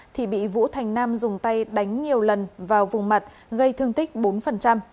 thì bị vũ thành nam dùng tay đánh nhiều lần vào vùng mặt gây thương tích bốn